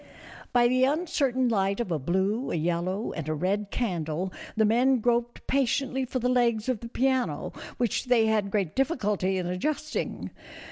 By the uncertain light of a blue, a yellow, and a red candle the men groped patiently for the legs of the piano, which they had great difficulty in adjusting.